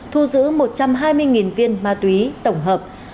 thu giữ một trăm hai mươi viên ma túy tổng hợp